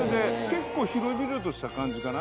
結構広々とした感じかな。